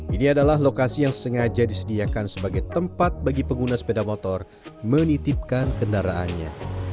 ini adalah lokasi yang sengaja disediakan sebagai tempat bagi pengguna sepeda motor menitipkan kendaraannya